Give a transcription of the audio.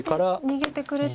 逃げてくれて。